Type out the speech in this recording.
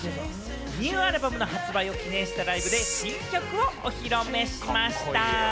ニューアルバムの発売を記念したライブで新曲を披露目しました。